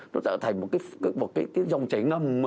nó trở thành một cái dòng cháy ngâm